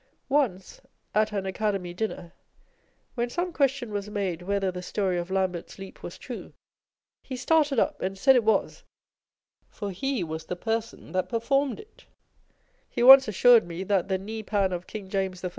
Once, at an Academy dinner, when some question was made whether the story of Lambert's Leap was true, he started up, and said it was ; for he was the person that performed it : â€" he once assured me that the kneepan of King James I.